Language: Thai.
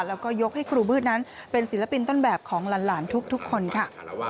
แล้วก็ยกให้ครูบื้นนั้นเป็นศิลปินต้นแบบของหลานทุกคนค่ะ